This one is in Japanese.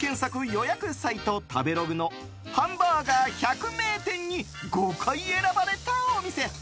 予約サイトの食べログのハンバーガー百名店に５回選ばれたお店。